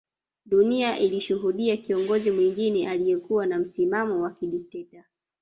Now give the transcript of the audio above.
Dunia ilishuhudia kiongozi mwingine aliyekuwa na msimamo wa kidekteta